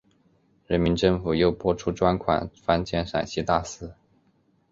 人民政府又拨出专款翻建陕西大寺。